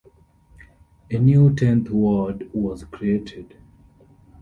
A new Tenth Ward was created.